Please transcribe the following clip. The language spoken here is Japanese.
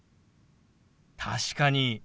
確かに。